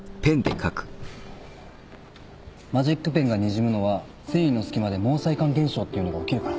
マジックペンがにじむのは繊維の隙間で毛細管現象っていうのが起きるから。